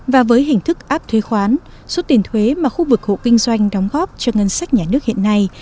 và với hình thức áp thuế khoán số tiền thuế mà khu vực hộ kinh doanh đóng góp cho ngân sách nhà nước hiện nay